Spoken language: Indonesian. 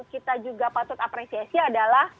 kita juga patut apresiasi adalah